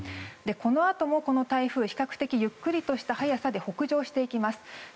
このあともこの台風比較的ゆっくりした速さで北上していきます。